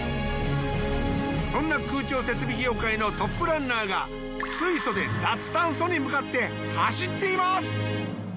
そんな空調設備業界のトップランナーが水素で脱炭素に向かって走っています。